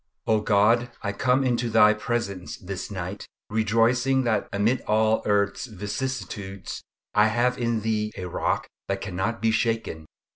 O God, I come into Thy presence this night, rejoicing that amid all earth's vicissitudes, I have in Thee a rock that cannot be shaken.